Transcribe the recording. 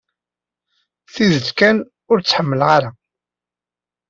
Tidet kan, ur tt-ḥemmleɣ ara.